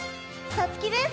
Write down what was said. さつきです！